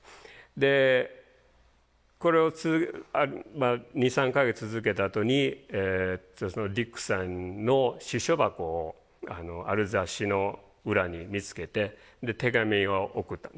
でこれを２３か月続けたあとにディックさんの私書箱をある雑誌の裏に見つけて手紙を送ったんですね。